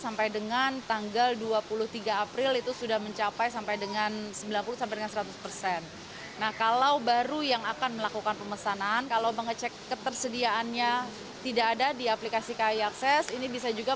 masih belum bisa pulang juga